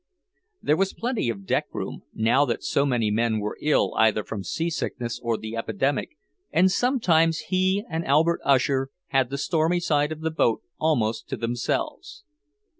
There was plenty of deck room, now that so many men were ill either from seasickness or the epidemic, and sometimes he and Albert Usher had the stormy side of the boat almost to themselves.